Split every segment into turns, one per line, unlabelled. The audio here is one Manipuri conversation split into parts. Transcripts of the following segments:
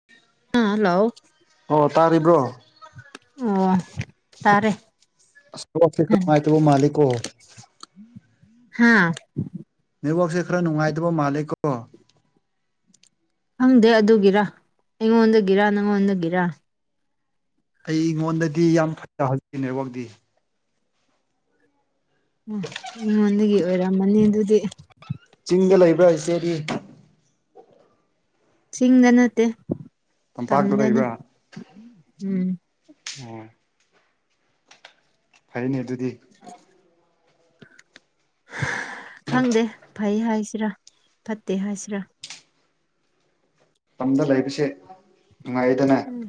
[inaudible]
[unintelligible] ꯍꯜꯂꯣ
ꯑꯣ ꯇꯥꯔꯤꯕ꯭ꯔꯣ
ꯑꯣ ꯇꯥꯔꯦ
[unintelligible] ꯃꯥꯂꯤꯛꯣ
ꯍꯥꯥ
ꯅꯦꯠꯋꯥꯛꯁꯦ ꯈꯔ ꯅꯨꯡꯉꯥꯏꯇꯕ ꯃꯥꯜꯂꯦ ꯀꯣ
ꯈꯪꯗꯦ ꯑꯗꯨꯒꯤꯔ ꯑꯩꯉꯣꯟꯗꯒꯤꯔꯥ ꯅꯪꯉꯣꯟꯗꯒꯤꯔ
ꯑꯩ ꯑꯩꯉꯣꯟꯗꯗꯤ ꯌꯥꯝ ꯐꯖ [unintelligible] ꯅꯦꯠꯋꯥꯛꯗꯤ
ꯎ ꯑꯩꯉꯣꯟꯗꯒꯤ ꯑꯣꯏꯔꯝꯃꯅꯤ ꯑꯗꯨꯗꯤ
ꯆꯤꯡꯗ ꯂꯩꯕ꯭ꯔꯥ ꯏꯆꯦꯗꯤ
ꯆꯤꯡꯗ ꯅꯠꯇꯦ
ꯇꯝꯄꯥꯛꯇ
ꯇꯝꯗꯅꯦ ꯎꯝ
ꯎꯝ ꯐꯩꯅꯤ ꯑꯗꯨꯗꯤ
ꯈꯪꯗꯦ ꯐꯩ ꯍꯥꯏꯁꯤꯔꯥ ꯐꯠꯇꯦ ꯍꯥꯏꯁꯤꯔꯥ
ꯇꯝꯗ ꯂꯩꯕꯁꯦ ꯅꯨꯡꯉꯥꯏꯗꯅ
ꯎꯝ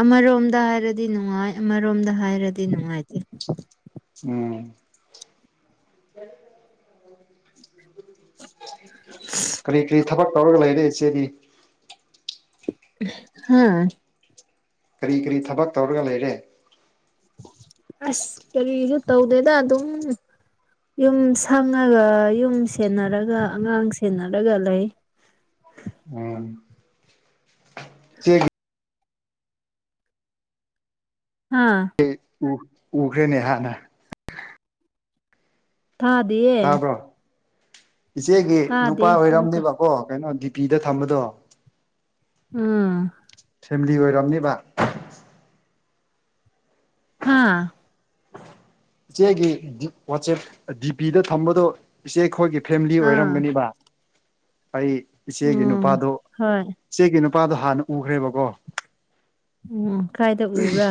ꯑꯃꯔꯣꯝꯗ ꯍꯥꯏꯔꯗꯤ ꯅꯨꯡꯉꯥꯏ ꯑꯃꯔꯣꯝꯗ ꯍꯥꯏꯔꯗꯤ ꯅꯨꯡꯉꯥꯏꯇꯦ
ꯎꯝ [inaudible] ꯀꯔꯤ ꯀꯔꯤ ꯊꯕꯛ ꯇꯧꯔꯒ ꯂꯩꯔꯦ ꯏꯆꯦꯗꯤ
ꯍꯥꯥ
ꯀꯔꯤ ꯀꯔꯤ ꯊꯕꯛ ꯇꯧꯔꯒ ꯂꯩꯔꯦ
ꯑꯁ ꯀꯔꯤꯁꯨ ꯇꯧꯗꯦꯗ ꯑꯗꯨꯝ ꯌꯨꯝ ꯁꯪꯉꯒ ꯌꯨꯝ ꯁꯦꯟꯅꯔꯒ ꯑꯉꯥꯡ ꯁꯦꯟꯅꯔꯒ ꯂꯩ
ꯎꯝ
[inaudible]
ꯏꯆꯦꯒꯤ
ꯍꯥꯥ
ꯎꯈ꯭ꯔꯦꯅꯦ ꯍꯥꯟꯅ
ꯇꯥꯗꯦꯌꯦ
ꯇꯥꯕ꯭ꯔꯣ ꯏꯆꯦꯒꯤ ꯅꯨꯄꯥ
ꯇꯥꯗꯦ ꯑꯃꯨꯛꯀ
ꯑꯣꯏꯔꯝꯅꯦꯕꯀꯣ ꯀꯩꯅꯣ ꯗꯤ ꯄꯤꯗ ꯊꯝꯕꯗꯣ
ꯎꯝ
ꯐꯦꯃꯤꯂꯤ ꯑꯣꯏꯔꯝꯅꯤꯕ
ꯍꯥꯥ
ꯏꯆꯦꯒꯤ ꯋꯥꯆꯦꯞ ꯗꯤ ꯄꯤꯗ ꯊꯝꯕꯗꯣ ꯏꯆꯦꯈꯣꯏꯒꯤ ꯐꯦꯃꯤꯂꯤ
ꯑꯥ
ꯑꯣꯏꯔꯝꯒꯅꯤꯕ ꯑꯩ ꯏꯆꯦꯒꯤ
ꯎꯝ
ꯅꯨꯄꯥꯗꯣ
ꯍꯣꯏ
ꯏꯆꯦꯒꯤ ꯅꯨꯄꯥꯗꯣ ꯍꯥꯟꯅ ꯎꯈ꯭ꯔꯦꯕꯀꯣ
ꯎꯝ ꯀꯥꯏꯗ ꯎꯕ꯭ꯔꯥ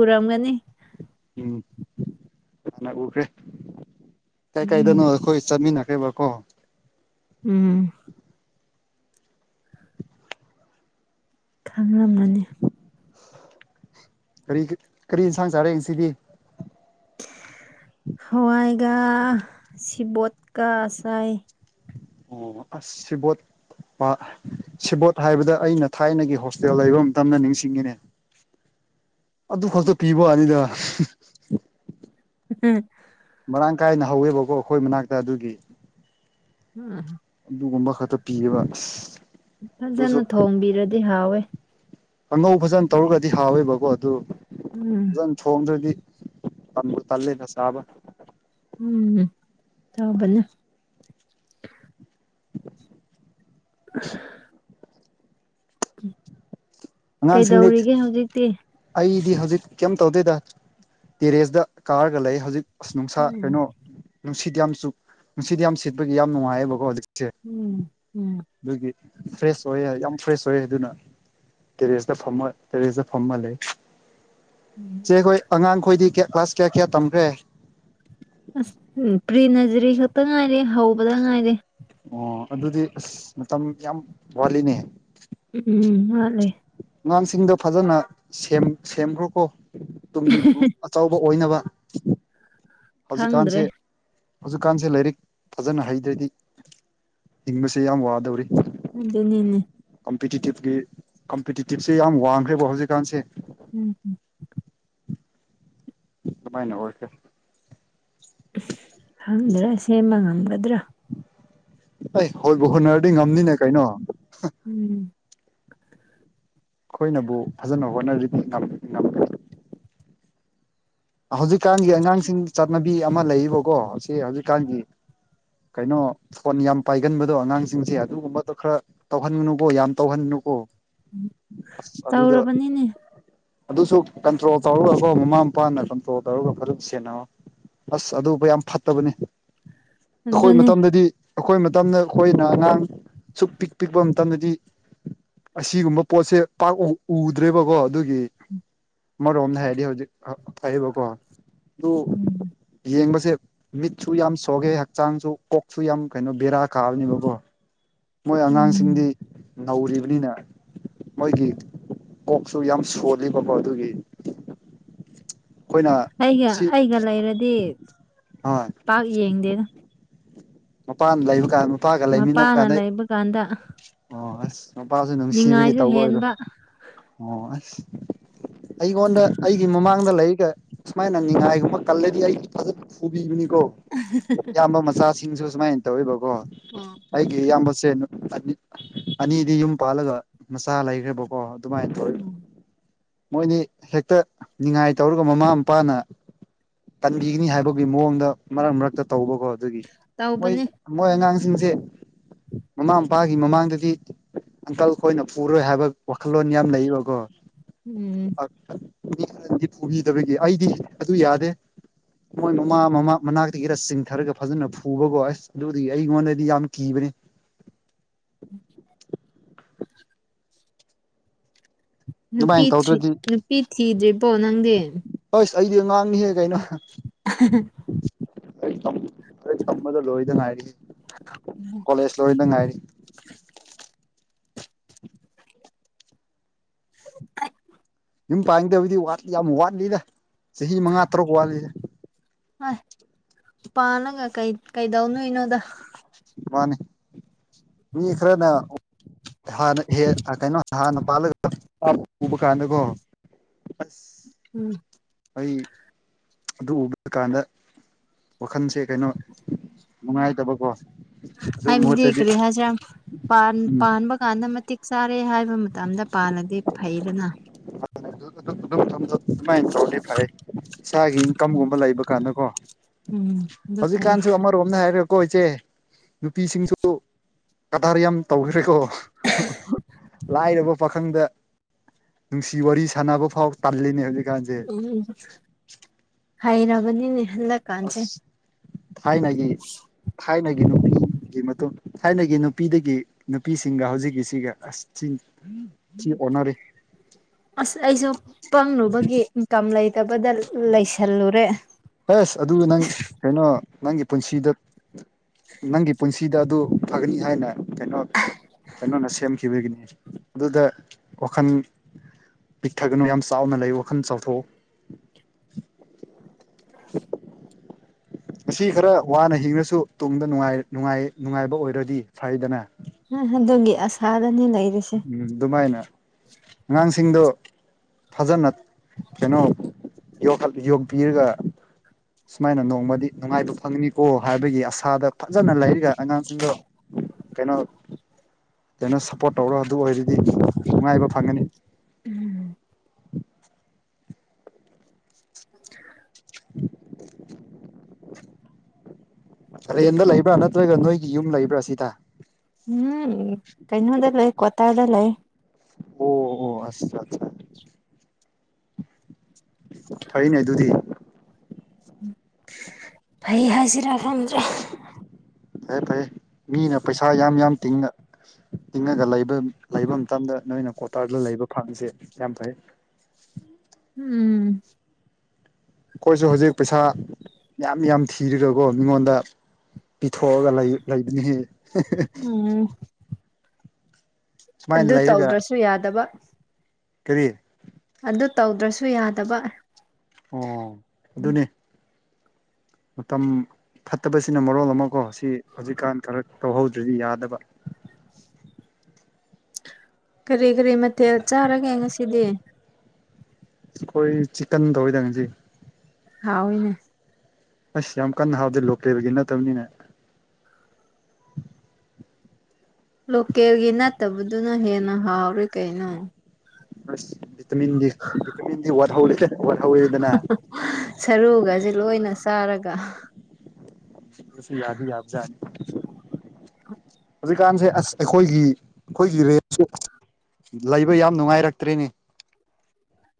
ꯎꯔꯝꯒꯅꯤ
ꯎꯝ ꯍꯥꯅꯥ ꯎꯈꯔꯦ ꯀꯥꯏ ꯀꯥꯏꯗꯅꯣ
ꯎꯝ
ꯈꯣꯏ ꯆꯥꯠꯃꯤꯟꯅꯈꯔ꯭ꯦꯕꯀꯣ
ꯎꯝ ꯈꯪꯂꯝꯂꯅꯤ
ꯀꯔꯤ ꯀꯔꯤ ꯌꯦꯟꯁꯥꯡ ꯆꯥꯔꯦ ꯏꯆꯦꯗꯤ
ꯍꯋꯥꯏꯒ ꯁꯤꯕꯣꯠꯀ ꯆꯥꯏ
ꯑꯣ ꯑꯁ ꯁꯤꯕꯣꯠ [unintelligible] ꯁꯦꯕꯣꯠ ꯍꯥꯏꯕꯗ ꯑꯩꯅ ꯊꯥꯏꯅꯒꯤ ꯍꯣꯁꯇꯦꯜ ꯂꯩꯕ ꯃꯇꯝꯗ ꯅꯤꯡꯁꯤꯡꯉꯤꯅꯦ ꯑꯗꯨ ꯈꯛꯇ ꯄꯤꯕ ꯋꯥꯅꯤꯗ
ꯎꯝ
ꯃꯔꯥꯡ ꯀꯥꯏꯅ ꯍꯧꯋꯦꯕꯀꯣ ꯑꯩꯈꯣꯏ ꯃꯅꯥꯛꯇ ꯑꯗꯨꯒꯤ
ꯎꯝ
ꯑꯗꯨꯒꯨꯝꯕ ꯈꯛꯇ ꯄꯤꯌꯦꯕ [inaudible] ꯑꯗꯨꯁꯨ
ꯐꯖꯅ ꯊꯣꯡꯕꯤꯔꯗꯤ ꯍꯥꯎꯋꯦ
ꯑꯉꯧ ꯐꯖꯟ ꯇꯧꯔꯒꯗꯤ ꯍꯥꯎꯋꯦꯕꯀꯣ ꯑꯗꯨ
ꯎꯝ
ꯐꯖꯟ ꯊꯣꯡꯗ꯭ꯔꯥꯗꯤ ꯇꯟꯕꯨ ꯇꯜꯂꯦꯗ ꯆꯥꯕ
ꯎꯝ ꯇꯧꯎꯕꯅꯤ
[inaudible]
[inaudible] [inaudible]
ꯑꯉꯥꯡꯁꯤꯡꯗꯤ
ꯀꯩꯗꯧꯔꯤꯒꯦ ꯍꯧꯖꯤꯛꯇꯤ
ꯑꯩꯗꯤ ꯍꯧꯖꯤꯛ ꯀꯩꯝ ꯇꯧꯗꯦꯗ ꯇꯦꯔꯦꯁꯗ ꯀꯥꯔꯒ ꯂꯩ ꯍꯧꯖꯤꯛ ꯑꯁ ꯅꯨꯡꯁꯥ
ꯎꯝ
ꯀꯩꯅꯣ ꯅꯨꯡꯁꯤꯠ ꯌꯥꯝ ꯆꯨꯞ ꯅꯨꯡꯁꯤꯠ ꯌꯥꯝ ꯁꯤꯠꯄꯒꯤ ꯌꯥꯝ ꯅꯨꯡꯉꯥꯏꯌꯦꯕꯀꯣ ꯍꯧꯖꯤꯛꯁꯦ
ꯎꯝ ꯎꯝ
ꯑꯗꯨꯒꯤ ꯐ꯭ꯔꯦꯁ ꯑꯣꯏꯌꯦ ꯌꯥꯝ ꯐ꯭ꯔꯦꯁ ꯑꯣꯏꯌꯦ ꯑꯗꯨꯅ ꯀꯦꯔꯦꯁꯇꯥ ꯐꯝꯃꯣꯏ ꯇꯦꯔꯦꯁꯇꯥ ꯐꯝꯃ ꯂꯩ ꯆꯦ ꯈꯣꯏ ꯑꯉꯥꯡꯈꯣꯏꯗꯤ ꯀ꯭ꯌꯥ ꯀ꯭ꯂꯥꯁ ꯀꯌꯥ ꯀꯌꯥ ꯇꯝꯈ꯭ꯔꯦ
ꯑꯁ ꯎꯝ ꯄ꯭ꯔꯤ ꯅꯖꯔꯤ ꯈꯛꯇꯥ ꯉꯥꯏꯔꯤ ꯍꯧꯕꯗ ꯉꯥꯏꯔꯦ
ꯑꯣ ꯑꯗꯨꯗꯤ ꯑꯁ ꯃꯇꯝ ꯌꯥꯝ ꯋꯥꯠꯂꯤꯅꯦ
ꯎꯝ ꯎꯝ ꯋꯥꯠꯂꯦ
ꯑꯉꯥꯡꯁꯤꯡꯗꯣ ꯐꯖꯅ ꯁꯦꯝ ꯁꯦꯝꯈ꯭ꯔꯣꯀꯣ ꯇꯨꯡꯒꯤ ꯑꯆꯧꯕ ꯑꯣꯏꯅꯕ
ꯈꯪꯗ꯭ꯔꯦ
ꯍꯧꯖꯤꯛꯀꯥꯟꯁꯦ ꯍꯧꯖꯤꯛꯀꯥꯟꯁꯦ ꯂꯥꯏꯔꯤꯛ ꯐꯖꯅ ꯍꯩꯇ꯭ꯔꯥꯗꯤ ꯍꯤꯡꯕꯁꯦ ꯌꯥꯝ ꯋꯥꯗꯧꯔꯤ
ꯑꯗꯨꯅꯤꯅꯦ
ꯀꯝꯄꯤꯇꯤꯇꯤꯞꯀꯤ ꯀꯝꯄꯤꯇꯤꯇꯤꯞꯁꯦ ꯌꯥꯝ ꯋꯥꯡꯈ꯭ꯔꯦꯕ ꯍꯧꯖꯤꯛꯀꯥꯟꯁꯦ
ꯎꯝ ꯎꯝ
ꯗꯨꯃꯥꯏꯅ ꯑꯣꯏꯈ꯭ꯔꯦ
ꯏꯁ ꯈꯪꯗ꯭ꯔꯦ ꯁꯦꯝꯕ ꯉꯝꯒꯗ꯭ꯔꯥ
ꯑꯩ ꯍꯣꯜꯕꯨ ꯍꯣꯠꯅꯔꯗꯤ ꯉꯝꯅꯤꯅꯦ ꯀꯩꯅꯣ
ꯎꯝ
ꯑꯩꯈꯣꯏꯅꯕꯨ ꯐꯖꯅ ꯍꯣꯠꯅꯔꯗꯤ ꯉꯝ ꯉꯝꯒꯅꯤ ꯍꯧꯖꯤꯛꯀꯥꯟꯒꯤ ꯑꯉꯥꯡꯁꯤꯡ ꯆꯠꯅꯕꯤ ꯑꯃ ꯂꯩꯕꯀꯣ ꯁꯤ ꯍꯧꯖꯤꯛꯀꯥꯟꯒꯤ ꯀꯩꯅꯣ ꯐꯣꯟ ꯌꯥꯝ ꯄꯥꯏꯒꯟꯕꯗꯣ ꯑꯉꯥꯡꯁꯤꯡꯁꯦ ꯑꯗꯨꯒꯨꯝꯕꯗꯣ ꯈꯔ ꯇꯧꯍꯟꯒꯅꯨꯀꯣ ꯌꯥꯝ ꯇꯧꯍꯟꯅꯨꯀꯣ ꯑꯁ ꯑꯗꯨꯗ
ꯇꯧꯔꯕꯅꯤꯅꯦ
ꯑꯗꯨꯁꯨ ꯀꯟꯇ꯭ꯔꯣꯜ ꯇꯧꯔꯒꯀꯣ ꯃꯃꯥ ꯃꯄꯥꯅ ꯀꯟꯇ꯭ꯔꯣꯜ ꯇꯧꯔꯒ ꯐꯖꯅ ꯁꯦꯟꯅ ꯑꯁ ꯑꯗꯨꯕꯨ ꯌꯥꯝ ꯐꯠꯇꯕꯅꯤ ꯑꯈꯣꯏ
ꯑꯗꯨꯅꯤ
ꯃꯇꯝꯗꯗꯤ ꯑꯈꯣꯏ ꯃꯇꯝꯗ ꯑꯈꯣꯏꯅ ꯑꯉꯥꯡ ꯁꯨꯛ ꯄꯤꯛ ꯄꯤꯛꯄ ꯃꯇꯝꯗꯗꯤ ꯑꯁꯤꯒꯨꯝꯕ ꯄꯣꯠꯁꯦ ꯄꯥꯛ ꯎ ꯎꯗ꯭ꯔꯦꯕꯀꯣ ꯑꯗꯨꯒꯤ ꯑꯃꯔꯣꯝꯗ ꯍꯥꯏꯔꯗꯤ ꯍꯧꯖꯤꯛ ꯐꯩꯌꯦꯕꯀꯣ ꯑꯗꯨ
ꯎꯝ
ꯌꯦꯡꯕꯁꯦ ꯃꯤꯠꯁꯨ ꯌꯥꯝ ꯁꯣꯛꯒꯦ ꯍꯛꯆꯥꯡꯁꯨ ꯀꯣꯛꯁꯨ ꯌꯥꯝ ꯀꯩꯅꯣ ꯕꯦꯔꯥ ꯀꯥꯕꯅꯦꯕꯀꯣ ꯃꯣꯏ ꯑꯉꯥꯡꯁꯤꯡꯗꯤ
ꯎꯝ
ꯅꯧꯔꯤꯕꯅꯤꯅ ꯃꯣꯏꯒꯤ ꯀꯣꯛꯁꯨ ꯌꯥꯝ ꯁꯣꯜꯂꯤꯕꯀꯣ ꯑꯗꯨꯒꯤ ꯑꯩꯈꯣꯏꯅ
ꯑꯩꯒ
ꯁꯤ
ꯑꯩꯒ ꯂꯩꯔꯗꯤ
ꯍꯣꯏ
ꯄꯥꯛ ꯌꯦꯡꯗꯦꯗ
ꯃꯄꯥꯟ ꯂꯩꯕ ꯀꯥꯟ ꯃꯄꯥꯒ ꯂꯩꯃꯤꯟꯅꯕ
ꯃꯄꯥꯅ
ꯀꯥꯟꯗ
ꯂꯩꯕ ꯀꯥꯟꯗ
ꯑꯣ ꯑꯁ ꯃꯄꯥꯁꯨ ꯅꯨꯡ ꯁꯤꯕꯒꯤ
ꯅꯤꯡꯉꯥꯏꯁꯨ
ꯇꯧꯕ ꯑꯣꯏꯗꯣꯏ
ꯍꯦꯟꯕ
ꯑꯣ ꯑꯁ ꯑꯩꯒꯣꯟꯗ ꯑꯩꯒꯤ ꯃꯃꯥꯡꯗ ꯂꯩꯒ ꯁꯨꯃꯥꯏꯅ ꯅꯤꯉꯥꯏꯒꯨꯝꯕ ꯀꯜꯂꯗꯤ ꯑꯩꯗꯤ ꯐꯖꯅ ꯐꯨꯕꯤꯅꯤꯀꯣ ꯏꯌꯥꯝꯕ ꯃꯆꯥꯥꯁꯤꯡꯁꯨ ꯁꯨꯃꯥꯏꯅ ꯇꯧꯋꯤꯕ
ꯑ
ꯑꯩꯒꯤ ꯏꯌꯥꯝꯕꯁꯦ ꯅꯨꯞ ꯑꯅꯤ ꯑꯅꯤꯗꯤ ꯌꯨꯝ ꯄꯥꯜꯂꯒ ꯃꯆꯥ ꯂꯩꯈ꯭ꯔꯦꯕꯀꯣ ꯑꯗꯨꯃꯥꯏꯅ ꯇꯧꯋꯤ
ꯎꯝ
ꯃꯣꯏꯅꯤ ꯍꯦꯛꯇ ꯅꯤꯉꯥꯏ ꯇꯧꯔꯒ ꯃꯃꯥ ꯃꯄꯥꯅ ꯇꯟꯕꯤꯒꯅꯤ ꯍꯥꯏꯕꯒꯤ ꯃꯑꯣꯡꯗ ꯃꯔꯛ ꯃꯔꯛꯇ ꯇꯧꯕꯀꯣ ꯑꯗꯨꯒꯤ ꯃꯣꯏ
ꯇꯧꯕꯅꯦ
ꯃꯣꯏ ꯑꯉꯥꯡꯁꯤꯡꯁꯦ ꯃꯃꯥ ꯃꯄꯥ ꯑꯩ ꯃꯃꯥꯡꯗꯗꯤ ꯑꯪꯀꯜ ꯈꯣꯏꯅ ꯄꯨꯔꯣꯏ ꯍꯥꯏꯕ ꯋꯥꯈꯜꯂꯣꯟ ꯌꯥꯝ ꯂꯩꯌꯦꯕꯀꯣ
ꯎꯝ
[unintelligible] ꯐꯨꯕꯤꯗꯕꯒꯤ ꯑꯩꯗꯤ ꯑꯗꯨ ꯌꯥꯗꯦ ꯃꯣꯏ ꯃꯃꯥ ꯃꯃꯥ ꯃꯅꯥꯛꯇꯒꯤꯔ ꯆꯤꯡꯊꯔꯒ ꯐꯖꯅ ꯐꯨꯕꯕꯨ ꯑꯁ ꯑꯗꯨꯗꯤ ꯑꯩꯉꯣꯟꯗꯗꯤ ꯌꯥꯝ ꯀꯤꯕꯅꯤ
[inaudible] ꯅꯨꯄꯤ
ꯑꯗꯨꯃꯥꯏꯅ
ꯊꯔ꯭ꯤ
ꯇꯧꯗ꯭ꯔꯗꯤ
ꯅꯨꯄꯤ ꯊꯤꯗ꯭ꯔꯤꯕꯣ ꯅꯪꯗꯤ
ꯑꯁ ꯑꯩꯗꯤ ꯑꯉꯥꯡꯅꯤꯍꯦ ꯀꯩꯅꯣ
[inaudible]
ꯑꯩ ꯇꯝ ꯑꯩ ꯇꯝꯕꯗ ꯂꯣꯏꯗ ꯉꯥꯏꯔꯤꯍꯦ ꯀꯣꯂꯦꯖ ꯂꯣꯏꯗ ꯉꯥꯏꯔꯤ
[inaudible]
ꯌꯨꯝ ꯄꯥꯟꯒꯕꯗꯤ ꯋꯥꯠ ꯌꯥꯝ ꯋꯥꯠꯂꯤꯗ ꯆꯍꯤ ꯃꯉꯥ ꯇꯔꯨꯛ ꯋꯥꯠꯂꯤ
ꯑꯥꯏ ꯄꯥꯂꯒ ꯀꯩ ꯀꯩꯗꯧ ꯅꯨꯏꯅꯣꯗ
ꯃꯥꯅꯦ ꯃꯤ ꯈꯔꯅ ꯑꯣ ꯍꯥꯟꯅ ꯏꯍꯦ ꯑ ꯀꯩꯅꯣ ꯅꯍꯥꯟꯅꯄꯥꯥꯜꯂꯒ [unintelligible] ꯑꯨꯕ ꯀꯥꯟꯗꯀꯣ ꯑꯁ
ꯎꯝ
ꯑꯩ ꯑꯗꯨ ꯎꯕ ꯀꯥꯟꯗ ꯋꯥꯈꯟꯁꯦ ꯀꯩꯅꯣ ꯅꯨꯡꯉꯥꯏꯇꯕꯀꯣ ꯑꯗꯨ
ꯍꯥꯏꯕꯗꯤ
ꯃꯍꯨꯠꯇꯗꯤ
ꯀꯔꯤ ꯍꯥꯏꯁꯤꯔ ꯄꯥꯟ
ꯎꯝ
ꯄꯥꯟꯕ ꯀꯥꯟꯗ ꯃꯇꯤꯛ ꯆꯥꯔꯦ ꯍꯥꯏꯕ ꯃꯇꯝꯗ ꯄꯥꯜꯂꯗꯤ ꯐꯩꯗꯅ
ꯑꯗꯨ ꯑꯗꯨ ꯑꯗꯨ ꯃꯇꯝꯗ ꯑꯗꯨꯃꯥꯏ ꯇꯧꯔꯗꯤ ꯐꯩꯌꯦ ꯏꯁꯥꯒꯤ ꯏꯟꯀꯝꯒꯨꯝꯕ ꯂꯩꯕ ꯀꯥꯟꯗꯀꯣ
ꯎꯝ ꯑꯗꯨ ꯐꯩꯌꯦ
ꯇꯣꯝꯅ ꯍꯥꯏꯔꯒꯀꯣ ꯏꯆꯦ ꯅꯨꯄꯤꯁꯤꯡꯁꯨ ꯀꯗꯥꯔ ꯌꯥꯝ ꯇꯧꯈ꯭ꯔꯦꯀꯣ [inaudible] ꯂꯥꯏꯔꯕ ꯄꯥꯈꯪꯗ ꯅꯨꯡꯁꯤ ꯋꯥꯔꯤ ꯁꯥꯟꯅꯕ ꯐꯥꯎ ꯇꯜꯂꯤꯅꯦ ꯍꯧꯖꯤꯛ
ꯎꯝ ꯍꯩꯅꯕꯅꯤꯅꯦ ꯍꯜꯂ ꯀꯥꯟꯁꯦ
ꯑꯁ ꯊꯥꯏꯅꯒꯤ ꯊꯥꯏꯅꯒꯤ ꯅꯨꯄꯤꯒꯤ ꯃꯇꯨꯡ ꯊꯥꯏꯅꯒꯤ ꯅꯨꯄꯤꯗꯒꯤ ꯅꯨꯄꯤꯁꯤꯡꯒ ꯍꯧꯖꯤꯛꯀꯤꯁꯤꯒ ꯑꯁ ꯊꯤꯟ ꯊꯤꯅ ꯑꯣꯟꯅꯔꯤ
ꯑꯁ ꯑꯩꯁꯨ ꯄꯪꯂꯨꯕꯒꯤ ꯏꯟꯀꯝ ꯂꯩꯇꯕꯗ ꯂꯩꯁꯜꯂꯨꯔꯦ
ꯑꯁ ꯑꯗꯨꯒ ꯅꯪ ꯀꯩꯅꯣ ꯅꯪꯒꯤ ꯄꯨꯟꯁꯤꯗ ꯅꯪꯒꯤ ꯄꯨꯟꯁꯤ ꯁꯤꯗ ꯑꯗꯨ ꯐꯒꯅꯤ ꯍꯥꯏꯅ ꯀꯩꯅꯣ ꯀꯩꯅꯣꯅ ꯁꯦꯝꯈꯤ ꯇꯤꯕꯒꯤꯅꯤ ꯑꯗꯨꯗ ꯋꯥꯈꯟ ꯄꯤꯛꯊꯒꯅꯨ ꯌꯥꯝ ꯆꯥꯎꯅ ꯂꯩꯌꯨ ꯋꯥꯈꯟ ꯆꯥꯎꯊꯣꯛꯎ
[inaudible]
ꯉꯁꯤ ꯈꯔ ꯋꯥꯅ ꯍꯤꯡꯉꯁꯨ ꯇꯨꯡꯗ ꯅꯨꯡꯉꯥꯏ ꯅꯨꯡꯉꯥꯏ ꯅꯨꯡꯉꯥꯏꯕ ꯑꯣꯏꯔꯗꯤ ꯐꯩꯗꯅ
ꯑꯗꯨꯒꯤ ꯑꯁꯥꯗꯅꯤ ꯂꯩꯔꯤ
ꯎꯝ ꯑꯗꯨꯃꯥꯏꯅ ꯑꯉꯥꯡꯁꯤꯡꯗꯣ ꯐꯖꯅ ꯀꯩꯅꯣ ꯌꯣꯛꯈꯠ ꯌꯣꯛꯄꯤꯔꯒ ꯁꯨꯃꯥꯏꯅ ꯅꯣꯡꯃꯗꯤ ꯅꯨꯡꯉꯥꯏꯕ ꯐꯪꯅꯤꯀꯣ ꯍꯥꯏꯕꯒꯤ ꯑꯁꯥꯗ ꯐꯖꯅ ꯂꯩꯔꯤꯒ ꯑꯉꯥꯡꯁꯤꯡꯗꯣ ꯀꯩꯅꯣ ꯀꯩꯅꯣ ꯁꯞꯄꯣꯔꯠ ꯇꯧꯔꯣ ꯑꯗꯨ ꯑꯣꯏꯔꯗꯤ ꯅꯨꯡꯉꯥꯏꯕ ꯐꯪꯒꯅꯤ
[inaudible]
[inaudible] ꯔꯦꯟꯗ ꯂꯩꯕ꯭ꯔꯥ ꯅꯠꯇ꯭ꯔꯒ ꯅꯣꯏꯒꯤ ꯌꯨꯝ ꯂꯩꯕ꯭ꯔꯥ ꯁꯤꯗ
ꯎꯝ ꯀꯩꯅꯣꯗ ꯂꯩ ꯀ꯭ꯋꯥꯇꯔꯗ ꯂꯩ
ꯑꯣ ꯑꯣ ꯑꯆꯥ ꯆꯥ ꯐꯩꯅꯦ ꯑꯗꯨꯗꯤ
ꯐꯩ ꯍꯥꯏꯁꯤꯔꯥ ꯈꯪꯗ꯭ꯔꯦ
ꯐꯩ ꯐꯩ ꯃꯤꯅ ꯄꯩꯁꯥ ꯌꯥꯝ ꯌꯥꯝ ꯇꯤꯡꯅ ꯇꯤꯡꯉꯒ ꯂꯩꯕ ꯂꯩꯕ ꯃꯇꯝꯗ ꯅꯣꯏꯅ ꯀ꯭ꯋꯥꯇꯥꯔꯗ ꯂꯩꯕ ꯐꯪꯕꯁꯦ ꯌꯥꯝ ꯐꯩ
[unintelligible]
ꯑꯩꯈꯣꯏꯁꯨ ꯍꯧꯖꯤꯛ ꯄꯩꯁꯥ ꯌꯥꯝ ꯌꯥꯝ ꯊꯤꯔꯒꯀꯣ ꯃꯤꯉꯣꯟꯗ ꯄꯤꯊꯣꯛꯑꯒ ꯂꯩ ꯂꯩꯕꯅꯤꯍꯤ
ꯎꯝ
ꯁꯨꯃꯥꯏꯅ
ꯑꯗꯨ
ꯂꯩꯔꯒ
ꯇꯧꯗ꯭ꯔꯁꯨ ꯌꯥꯗꯕ
ꯀꯔꯤ
ꯑꯗꯨ ꯇꯧꯗ꯭ꯔꯁꯨ ꯌꯥꯗꯕ
ꯑꯣ ꯑꯗꯨꯅꯦ ꯃꯇꯝ ꯐꯠꯇꯕꯁꯤꯅ ꯃꯔꯣꯜ ꯑꯃꯀꯣ ꯁꯤ ꯍꯧꯖꯤꯛꯀꯥꯟ ꯈꯔ ꯇꯧꯍꯧꯗ꯭ꯔꯗꯤ ꯌꯥꯗꯕ
ꯀꯔꯤ ꯀꯔꯤ ꯃꯊꯦꯜ ꯆꯥꯔꯒꯦ ꯉꯁꯤꯗꯤ
ꯑꯩꯈꯣꯏ ꯆꯤꯛꯀꯟ ꯇꯧꯌꯤꯗ ꯉꯁꯤ
ꯍꯥꯎꯋꯤꯅꯦ
ꯑꯁ ꯌꯥꯝ ꯀꯟꯅ ꯍꯥꯎꯇꯦ ꯂꯣꯀꯦꯜꯒꯤ ꯅꯠꯇꯕꯅꯤꯅ
ꯂꯣꯀꯦꯜꯒꯤ ꯅꯠꯇꯕꯗꯨꯅ ꯍꯦꯟꯅ ꯍꯥꯎꯔꯤ ꯀꯩꯅꯣ
ꯑꯁ ꯚꯤꯇꯥꯃꯤꯟ ꯗꯤ ꯚꯤꯇꯥꯃꯤꯟ ꯗꯤ ꯋꯥꯠꯍꯧ ꯋꯥꯠꯍꯧꯔꯦꯗꯅ
ꯁꯔꯨꯒꯖꯦ ꯂꯣꯏꯅ ꯆꯥꯔꯒ
ꯑꯗꯨꯁꯨ ꯌꯥꯗꯤ ꯌꯥꯕꯖꯥꯠꯅꯤ
[inaudible]
ꯍꯧꯖꯤꯛꯀꯥꯟꯁꯦ ꯑꯁ ꯑꯩꯈꯣꯏꯒꯤ ꯑꯩꯈꯣꯏꯒꯤ ꯔꯦꯠꯁꯦ ꯂꯩꯕ ꯌꯥꯝ ꯅꯨꯡꯉꯥꯏꯔꯛꯇ꯭ꯔꯦꯅꯦ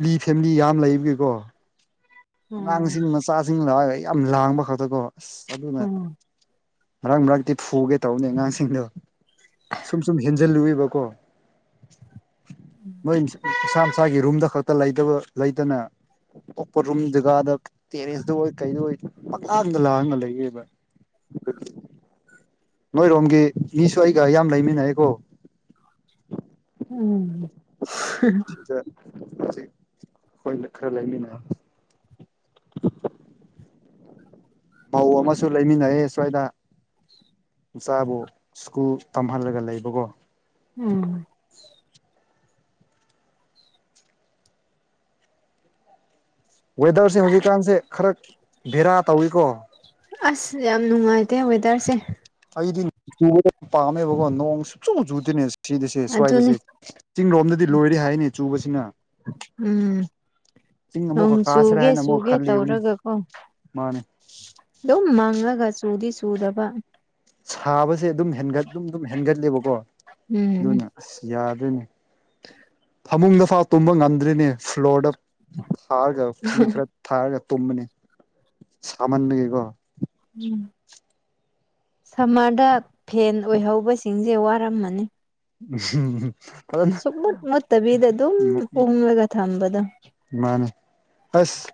ꯂꯤ ꯐꯦꯃꯤꯂꯤ ꯌꯥꯝ ꯂꯩꯕꯒꯤꯀꯣ
ꯎꯝ
ꯑꯉꯥꯡꯁꯤꯡ ꯃꯆꯥꯁꯤꯡ ꯂꯥꯛꯑ ꯌꯥꯝ ꯂꯥꯡꯕ ꯈꯛꯇꯀꯣ ꯑꯁ ꯑꯗꯨꯅ
ꯎꯝ
ꯃꯔꯛ ꯃꯔꯛꯇꯤ ꯐꯨꯒꯦ ꯇꯧꯅꯤ ꯑꯉꯥꯡꯁꯤꯡꯗꯣ ꯁꯨꯝ ꯁꯨꯝ ꯍꯦꯟꯖꯜꯂꯨꯏꯕꯀꯣ ꯃꯣꯏ ꯏꯁꯥ ꯃꯁꯥꯒꯤ ꯔꯨꯝꯗ ꯈꯛꯇ ꯂꯩꯇꯕ ꯂꯩꯇꯅ ꯑꯣꯛꯄ ꯔꯨꯝ ꯖꯒꯥꯗ ꯇꯦꯔꯦꯁꯇ ꯑꯣꯏ ꯀꯩꯗ ꯑꯣꯏ ꯄꯪꯪꯂꯥꯡꯗ ꯂꯥꯡꯉꯥ ꯂꯩꯌꯦꯕ [unintelligible] ꯅꯣꯏꯔꯣꯝꯒꯤ ꯃꯤꯁꯨ ꯑꯩꯒ ꯌꯥꯝ ꯂꯩꯃꯤꯟꯅꯩꯌꯦꯀꯣ
ꯎꯝ
ꯗ ꯍꯧꯖꯤꯛ ꯈꯣꯏ ꯈꯔ ꯂꯩꯃꯤꯟꯅꯩ ꯃꯧ ꯑꯃꯁꯨ ꯂꯩꯃꯤꯟꯅꯩꯌꯦ ꯑꯁ꯭ꯋꯥꯏꯗ ꯏꯆꯥꯕꯨ ꯁ꯭ꯀꯨꯜ ꯇꯝꯍꯜꯂꯒ ꯂꯩꯕꯀꯣ
ꯎꯝ
ꯋꯦꯗꯔꯁꯦ ꯍꯧꯖꯤꯛꯀꯥꯟꯁꯦ ꯈꯔ ꯕꯦꯔꯥ ꯇꯧꯏꯀꯣ
ꯑꯁ ꯌꯥꯝ ꯅꯨꯡꯉꯥꯏꯇꯦ ꯋꯦꯗꯔꯁꯦ
ꯑꯩꯗꯤ ꯆꯨꯕꯗꯣ ꯄꯥꯝꯃꯦꯕꯀꯣ ꯅꯣꯡꯁꯦ ꯆꯨ ꯆꯨꯗꯦꯅꯦ ꯁꯤꯗꯁꯦ
ꯑꯗꯨꯅꯤ
ꯁ꯭ꯋꯥꯏꯗꯁꯦ ꯆꯤꯡ ꯔꯣꯝꯗꯗꯤ ꯂꯣꯏꯔꯦ ꯍꯥꯏꯅꯦ ꯆꯨꯕꯁꯤꯅ
ꯎꯝ
ꯆꯤꯡ
ꯅꯣꯡ
ꯑꯃꯨꯛꯀ ꯀꯥꯁꯤꯔꯥ
ꯆꯨꯒꯦ
ꯍꯥꯏꯅ ꯑꯃꯨꯛ
ꯆꯨꯒꯦ
ꯈꯜꯂꯤꯕꯅꯤ
ꯇꯧꯔꯒꯀꯣ
ꯃꯥꯅꯦ
ꯗꯨꯝ ꯃꯪꯉꯒ ꯆꯨꯗꯤ ꯆꯨꯗꯕ
ꯁꯥꯕꯁꯦ ꯑꯗꯨꯝ ꯍꯦꯟꯒꯠ ꯑꯗꯨꯝ ꯑꯗꯨꯝ ꯍꯦꯟꯒꯠꯂꯦꯕꯀꯣ
ꯎꯝ
ꯑꯗꯨꯅ ꯑꯁ ꯌꯥꯗ꯭ꯔꯦꯅꯦ ꯐꯃꯨꯡꯗ ꯐꯥꯎ ꯇꯨꯝꯕ ꯉꯝꯗ꯭ꯔꯦꯅꯦ ꯐ꯭ꯂꯣꯔꯗ ꯊꯥꯔꯒ ꯐꯤ ꯈꯔ ꯊꯥꯔꯒ ꯇꯨꯝꯕꯅꯤ ꯁꯥꯃꯟꯕꯒꯤꯀꯣ
ꯎꯝ ꯁꯝꯃꯔꯗ ꯐꯦꯟ ꯑꯣꯏꯍꯧꯕꯁꯤꯡꯁꯦ ꯋꯥꯔꯝꯃꯅꯤ
ꯐꯖꯅ
ꯁꯨꯛ ꯃꯨꯠ ꯃꯨꯠꯇꯕꯤꯗ ꯑꯗꯨꯝ ꯎꯪꯂꯒ ꯊꯝꯕꯗꯣ
ꯃꯥꯟꯅꯤ ꯑꯁ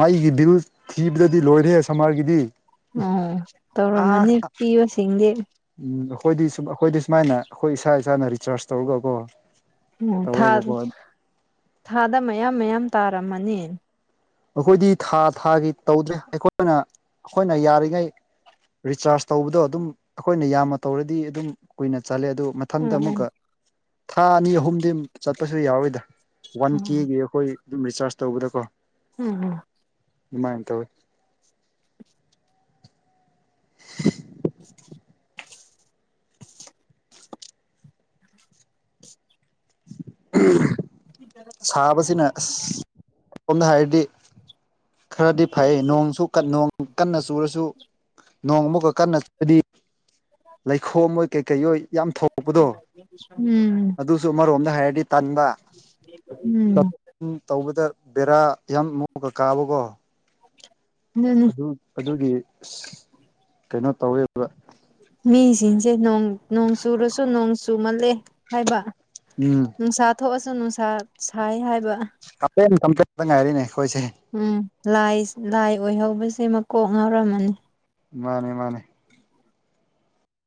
ꯃꯩꯒꯤ ꯕꯤꯜ ꯊꯤꯗ꯭ꯔꯗꯤ ꯂꯣꯏꯔꯦꯍꯦ ꯁꯝꯃꯔꯒꯤꯗꯤ
ꯑꯣ
ꯑꯥ
ꯇꯧꯔꯝꯃꯅꯤ ꯄꯤꯕꯁꯤꯡꯗꯤ
ꯎꯝ ꯑꯈꯣꯏꯗꯤ ꯁꯨꯕ ꯑꯈꯣꯏꯗꯤ ꯁꯨꯃꯥꯏꯅ ꯑꯈꯣꯏ ꯏꯁꯥ ꯏꯁꯥꯅ ꯔꯤꯆꯥꯔꯖ ꯇꯧꯔꯒꯀꯣ
ꯎꯝ ꯊꯥ
ꯇꯧꯋꯦꯕꯀꯣ
ꯊꯥꯗ ꯃꯌꯥꯝ ꯃꯌꯥꯝ ꯇꯥꯔꯝꯃꯅꯤ
ꯑꯈꯣꯏꯗꯤ ꯊꯥ ꯊꯥꯒꯤ ꯇꯧꯗ꯭ꯔꯦ ꯑꯩꯈꯣꯏꯅ ꯑꯈꯣꯏꯅ ꯌꯥꯔꯤꯉꯩ ꯔꯤꯆꯥꯔꯖ ꯇꯧꯕꯗꯣ ꯑꯗꯨꯝ ꯑꯈꯣꯏꯅ ꯌꯥꯝꯅ ꯇꯧꯔꯗꯤ ꯑꯗꯨꯝ ꯀꯨꯏꯅ ꯆꯠꯂꯦ ꯑꯗꯨ ꯃꯊꯟꯗ
ꯎꯝ
ꯑꯃꯨꯛꯀ ꯊꯥ ꯑꯅꯤ ꯑꯍꯨꯝꯗꯤ ꯆꯠꯄꯁꯨ ꯌꯥꯎꯋꯤꯗ ꯋꯥꯟ
ꯎꯝ
ꯀꯦꯒꯤ ꯑꯈꯣꯏ ꯑꯗꯨꯝ ꯔꯤꯆꯥꯔꯖ ꯇꯧꯕꯗ ꯀꯣ
[unintelligible]
ꯃꯥꯏꯅ ꯇꯧꯋꯦ
[inaudible]
ꯁꯥꯕꯁꯤꯅ ꯑꯁ [unintelligible] ꯍꯥꯏꯔꯗꯤ ꯈꯔꯗꯤ ꯐꯩꯌꯦ ꯅꯣꯡꯁꯨ ꯅꯣꯡ ꯀꯟꯅ ꯆꯨꯔꯁꯨ ꯅꯣꯡꯃꯨꯛꯀ ꯀꯟꯅꯗꯤ [inaudible] ꯂꯩꯈꯣꯝ ꯑꯣꯏ ꯀꯩꯀꯩ ꯑꯣꯏ ꯌꯥꯝ ꯊꯣꯛꯄꯗꯣ
ꯎꯝ
ꯑꯗꯨꯁꯨ ꯑꯃꯔꯣꯝꯗ ꯍꯥꯏꯔꯗꯤ ꯇꯟꯕ
ꯎꯝ
ꯇꯧꯕꯗ ꯕꯦꯔꯥ ꯌꯥꯝ ꯃꯨꯒ ꯀꯥꯕꯀꯣ
ꯗꯨꯨꯅꯦ
ꯑꯗꯨ ꯑꯗꯨꯒꯤ ꯑꯁ ꯀꯩꯅꯣ ꯇꯧꯋꯦꯕ
ꯃꯤꯁꯤꯡꯁꯦ ꯅꯣꯡ ꯅꯣꯡ ꯆꯨꯔꯁꯨ ꯅꯣꯡ ꯆꯨꯃꯜꯂꯦ ꯍꯥꯏꯕ
ꯎꯝ
ꯅꯨꯡꯁꯥ ꯊꯣꯛꯑꯁꯨ ꯅꯨꯡꯁꯥ ꯁꯥꯏ ꯍꯥꯏꯕ
ꯀꯝꯄ꯭ꯂꯦꯟ ꯀꯝꯄ꯭ꯂꯦꯟꯇ ꯉꯥꯏꯔꯦꯅꯦ ꯈꯣꯏꯁꯦ
ꯎꯝ ꯂꯥꯏ ꯂꯥꯏ ꯑꯣꯏꯍꯧꯕꯁꯦ ꯃꯀꯣꯛ ꯉꯎꯔꯝꯃꯅꯤ
ꯃꯥꯟꯅꯦ ꯃꯥꯟꯅꯦ